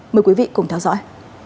mời quý vị cùng theo dõi